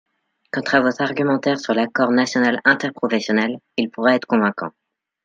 Quant à votre argumentaire sur l’Accord national interprofessionnel, il pourrait être convaincant.